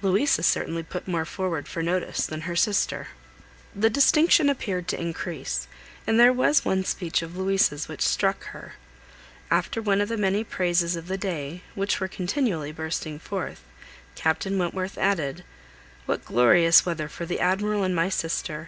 Louisa certainly put more forward for his notice than her sister. This distinction appeared to increase, and there was one speech of Louisa's which struck her. After one of the many praises of the day, which were continually bursting forth, Captain Wentworth added:— "What glorious weather for the Admiral and my sister!